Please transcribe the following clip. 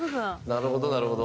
なるほどなるほど。